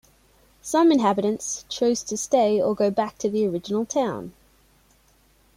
Some inhabitants chose to stay or go back to the original town.